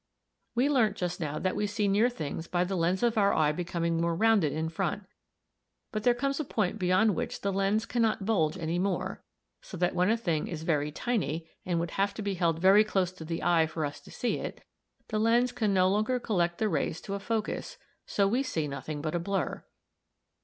We learnt just now that we see near things by the lens of our eye becoming more rounded in front; but there comes a point beyond which the lens cannot bulge any more, so that when a thing is very tiny, and would have to be held very close to the eye for us to see it, the lens can no longer collect the rays to a focus, so we see nothing but a blur.